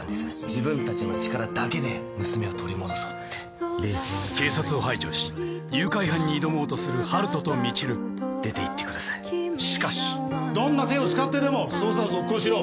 自分たちの力だけで娘を取り戻そうって警察を排除し誘拐犯に挑もうとする温人と未知留出て行ってくださいしかし・どんな手を使ってでも捜査を続行しろ！